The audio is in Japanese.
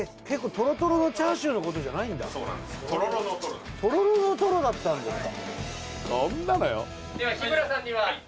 とろろの「とろ」とろろの「とろ」だったんですか